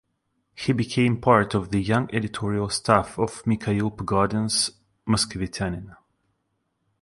He became part of the "young editorial staff" of Mikhail Pogodin's "Moskovityanin".